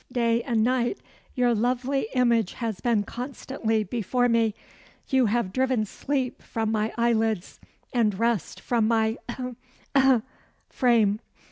Day and night your lovely image has been constantly before me. You have driven sleep from my eyelids, and rest from my (ough! ough!) frame.